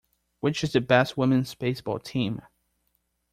Which is the best women's baseball team?